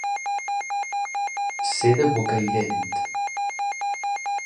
Ser de Bocairent.